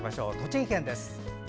栃木県です。